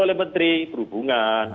oleh menteri perhubungan